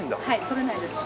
取れないです。